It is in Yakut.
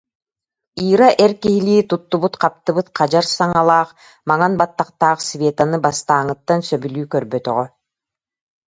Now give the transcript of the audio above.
Ира эр киһилии туттубут-хаптыбыт хадьар саҥалаах, маҥан баттахтаах Светаны бастааҥҥыттан сөбүлүү көрбөтөҕө